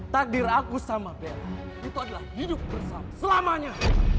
takdir aku sama bella itu adalah hidup bersama selamanya